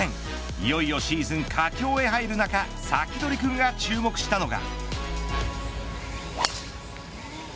いよいよシーズン佳境へ入る中サキドリくんが注目したのが。